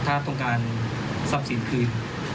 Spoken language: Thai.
ถ้าต้องการทรัพย์สินคืน